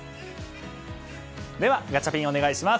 ではガチャピンお願いします。